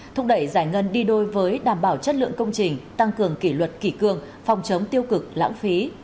thúc đẩy giải ngân đi đôi với đảm bảo chất lượng công trình tăng cường kỷ luật kỷ cương phòng chống tiêu cực lãng phí